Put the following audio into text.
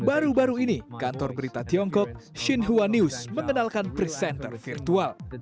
baru baru ini kantor berita tiongkok shin huan news mengenalkan presenter virtual